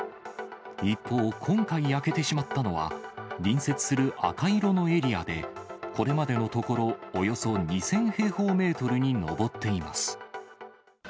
一方、今回焼けてしまったのは、隣接する赤色のエリアで、これまでのところ、およそ２０００平方メートルに上っています。